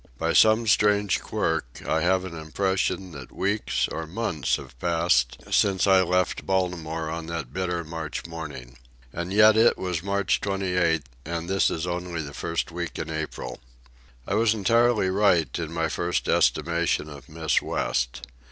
By some strange quirk, I have an impression that weeks, or months, have passed since I left Baltimore on that bitter March morning. And yet it was March 28, and this is only the first week in April. I was entirely right in my first estimation of Miss West.